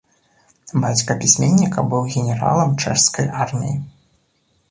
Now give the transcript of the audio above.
Бацька пісьменніка быў генералам чэшскай арміі.